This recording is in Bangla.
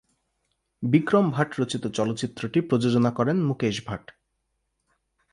বিক্রম ভাট রচিত চলচ্চিত্রটি প্রযোজনা করেন মুকেশ ভাট।